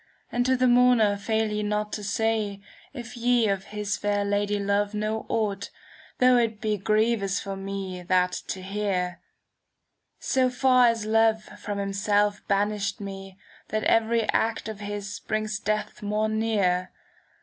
And to the mourner fail ye not to say If ye of his fair Lady love know aught. Though it be grievous for me that to hear. So far as Love from himself banished me, '" That every act of his brings death more near.